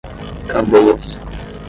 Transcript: Candeias